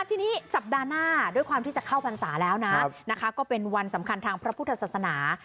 ทีนี้สัปดาห์หน้าด้วยความที่จะเข้าพรรษาแล้วนะก็เป็นวันสำคัญทางพระพุทธศาสนา